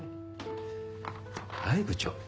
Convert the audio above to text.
はい部長。